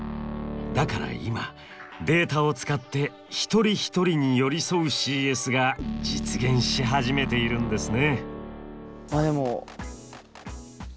だから今データを使って一人一人に寄り添うＣＳが実現し始めているんですね。